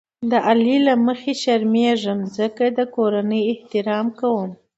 د علي له مخې شرمېږم ځکه یې د کورنۍ احترام کوم.